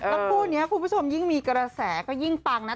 ต้องพูดนะครับคุณผู้ชมยิ่งมีกระแสก็ยิ่งปังนะ